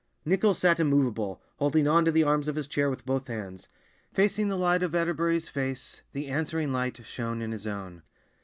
Nichols sat immovable, holding on to the arms of his chair with both hands. Facing the light of Atterbury's face, the answering light shone in his own.